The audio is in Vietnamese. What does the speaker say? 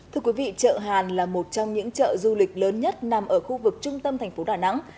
thưa quý vị chợ hàn là một trong những chợ du lịch lớn nhất nằm ở khu vực trung tâm thành phố đà nẵng